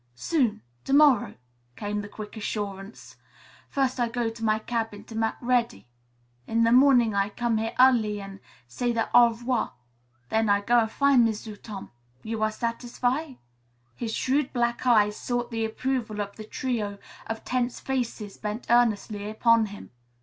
"Soon; to morrow," came the quick assurance. "First I go to my cabin to mak' ready. In the morning I come here early an' say the au revoir. Then I go an' fin' M'sieu' Tom. You are satisfy?" His shrewd black eyes sought the approval of the trio of tense faces bent earnestly upon him.